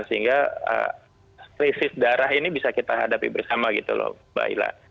sehingga krisis darah ini bisa kita hadapi bersama gitu loh mbak ila